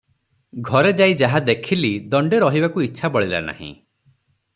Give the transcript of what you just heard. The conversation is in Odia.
ଘରେ ଯାଇ ଯାହା ଦେଖିଲି, ଦଣ୍ଡେ ରହିବାକୁ ଇଚ୍ଛା ବଳିଲା ନାହିଁ ।